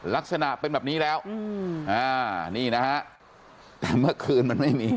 ลักษณะเป็นแบบนี้แล้วนี่นะฮะแต่เมื่อคืนมันไม่มี